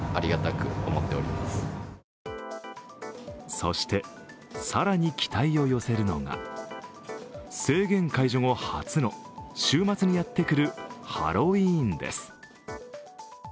そして、更に期待を寄せるのが、制限解除後初の週末にやってくるハロウィーンです。